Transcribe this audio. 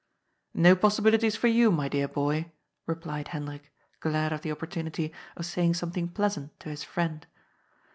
" N"o possibilities for you, my dear boy," replied Hen drik, glad of the opportunity of saying something pleasant to his " friend."